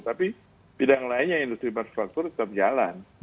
tapi bidang lainnya industri manufaktur tetap jalan